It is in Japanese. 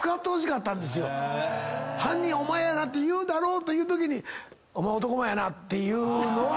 犯人お前やなって言うだろうというときに「お前男前やな」って言うのは。